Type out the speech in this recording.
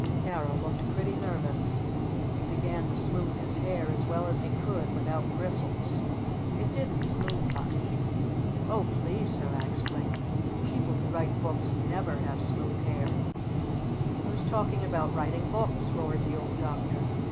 Carol looked pretty nervous. He began to smooth his hair as well as he could without bristles. It didn't smooth much. "Oh please, Sir," I explained, "people who write books never have smooth hair!" "Who's talking about writing books?" roared the Old Doctor.